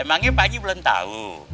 emangnya pak haji belum tahu